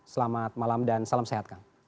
selamat malam dan salam sehat kang